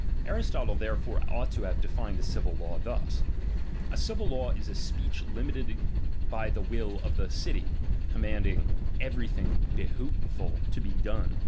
Aristotle there foxe ought to have defined a cicil law thus : a cx xil laic is a speech limited by the will of ike c £ ty, commanding everything hehovejul to be <^*::nie.